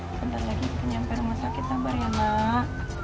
bentar lagi sampai rumah sakit sabar ya mak